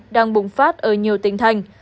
đang bùng phát ở nhiều tỉnh thành